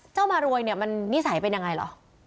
เจ้ามารวยมันนิสัยเป็นยังไงหรอ